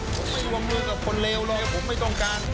ผมไม่วงมือกับคนเลวเลยผมไม่ต้องการ